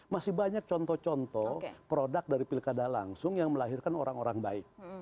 masih banyak contoh contoh produk dari pilkada langsung yang melahirkan orang orang baik